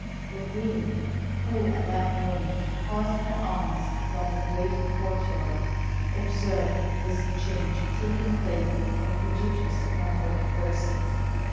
The Queen, who at that moment cast her eyes upon the great court yard, observed this change taking place in a prodigious number of persons.